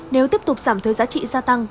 nếu tiếp tục giảm thuế giá trị gia tăng